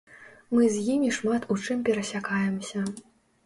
Мы з імі шмат у чым перасякаемся.